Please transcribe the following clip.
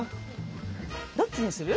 どっちにする？